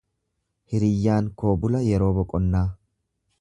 Hiriyyaan koo bula yeroo boqonnaa.